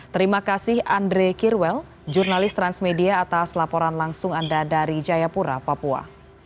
terima kasih andre kirwel jurnalis transmedia atas laporan langsung anda dari jayapura papua